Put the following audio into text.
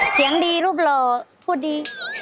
เสียงดีรูปหล่อพูดดี